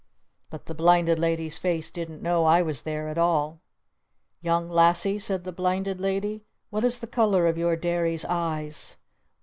But the Blinded Lady's face didn't know I was there at all. "Young Lassie," said the Blinded Lady. "What is the color of your Derry's eyes?"